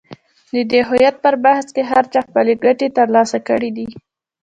د دې هویت پر بحث کې هر چا خپلې ګټې تر لاسه کړې دي.